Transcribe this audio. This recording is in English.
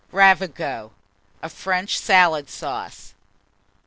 RAVIGOTTE, a French Salad Sauce.